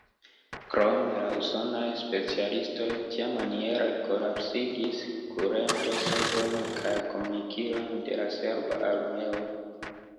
Krome la usonaj specialistoj tiamaniere kolapsigis kurentoservojn kaj komunikilojn de la serba armeo.